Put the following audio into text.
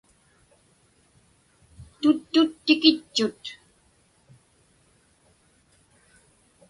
Tuttut tikitchut.